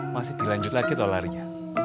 masih dilanjut lagi kalau larinya